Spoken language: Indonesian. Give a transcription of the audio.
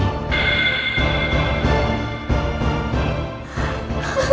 sekarang kamu jelasin sama mama